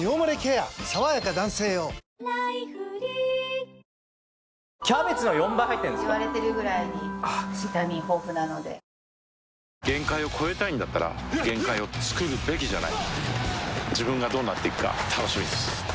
さわやか男性用」限界を越えたいんだったら限界をつくるべきじゃない自分がどうなっていくか楽しみです